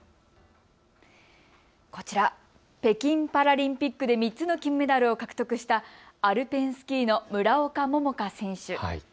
こちら、北京パラリンピックで３つの金メダルを獲得したアルペンスキーの村岡桃佳選手。